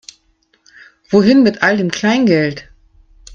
Wohin mit all dem Kleingeld?